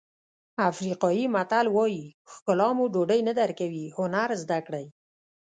افریقایي متل وایي ښکلا مو ډوډۍ نه درکوي هنر زده کړئ.